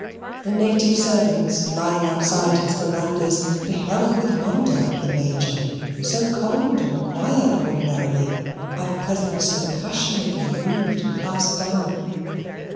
The native servants lying outside his verandas beheld with wonder the Major, so cold and quiet ordinarily, at present so passionately moved and cast down.